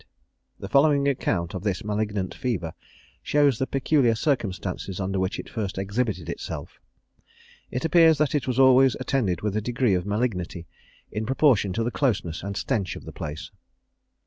The following account of this malignant fever, shows the peculiar circumstances under which it first exhibited itself. It appears that it was always attended with a degree of malignity, in proportion to the closeness and stench of the place.